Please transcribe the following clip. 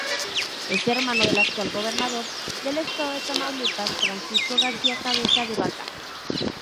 Es hermano del actual gobernador del estado de Tamaulipas, Francisco García Cabeza de Vaca.